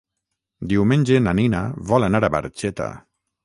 Diumenge na Nina vol anar a Barxeta.